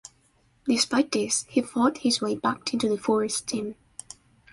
Despite this, he fought his way back into the Forest team.